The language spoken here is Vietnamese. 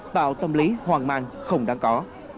tạo tâm lý hoàng mang không đáng có